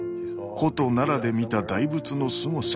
古都奈良で見た大仏のすごさ。